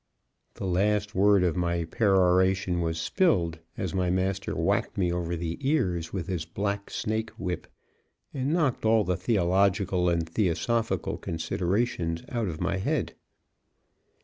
The last word of my peroration was spilled, as my master whacked me over the ears with his black snake whip and knocked all the theological and theosophical considerations out of my head.